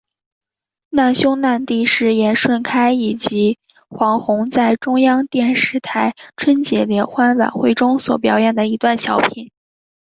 难兄难弟是严顺开以及黄宏在中央电视台春节联欢晚会中所表演的一段小品。